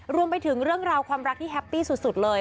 รวมไปถึงเรื่องราวความรักที่แฮปปี้สุดเลย